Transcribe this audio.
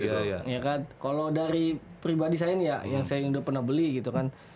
iya kan kalau dari pribadi saya ini ya yang saya udah pernah beli gitu kan